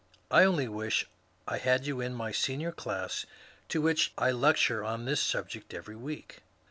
I only wish I had you in my senior class, to which I lecture on this subject every week."